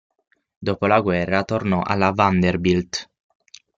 Dopo la guerra, tornò alla Vanderbilt.